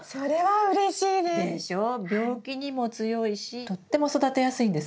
病気にも強いしとっても育てやすいんです。